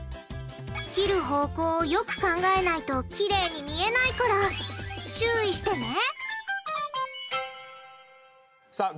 切る方向をよく考えないときれいに見えないから注意してね！